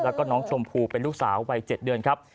แล้วก็น้องชมพู่เป็นลูกสาววัย๗เดือนครับ